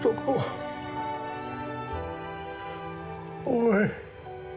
お前